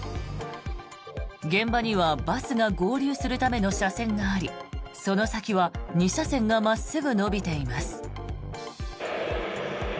現場にはバスが合流するための車線があり、その先は２車線が真っすぐ延びています。